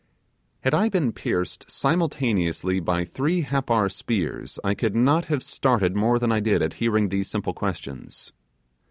Had I been pierced simultaneously by three Happar spears, I could not have started more than I did at hearing these simple questions.